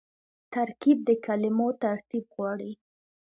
ترکیب د کلمو ترتیب غواړي.